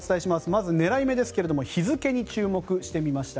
まず、狙い目ですが日付に注目してみました。